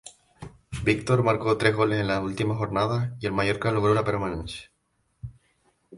Víctor marcó tres goles en las últimas jornadas y el Mallorca logró la permanencia.